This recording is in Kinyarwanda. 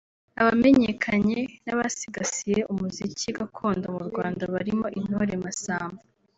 abamenyekanye n’abasigasiye umuziki gakondo mu Rwanda barimo Intore Masamba